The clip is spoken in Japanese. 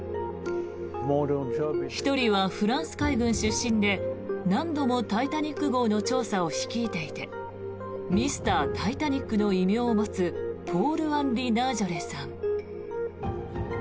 １人はフランス海軍出身で何度も「タイタニック号」の調査を率いていてミスター・タイタニックの異名を持つポール・アンリ・ナージョレさん。